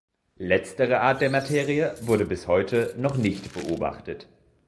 Letztere Art der Materie wurde bis heute noch nicht beobachtet.